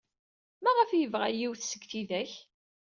Maɣef ay yebɣa yiwet seg tidak?